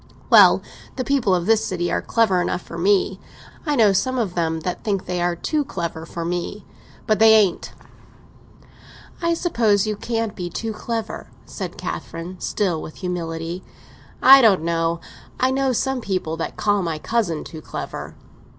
"Well, the people of this city are clever enough for me. I know some of them that think they are too clever for me; but they ain't!" "I suppose you can't be too clever," said Catherine, still with humility. "I don't know. I know some people that call my cousin too clever."